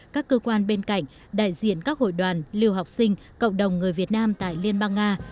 các cơ quan bên cạnh đại diện các hội đoàn liều học sinh cộng đồng người việt nam tại liên bang nga